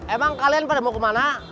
emang kalian pada mau kemana